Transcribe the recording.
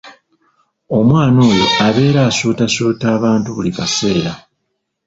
Omwana oyo abeera asuutasuuta abantu buli kaseera.